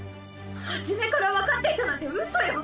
初めから分かっていたなんてうそよ。